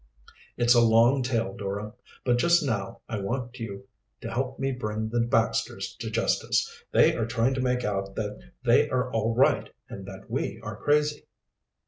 "It's a long tale, Dora. But just now I want you to help me bring the Baxters to justice. They are trying to make out that they are all right and that we are crazy."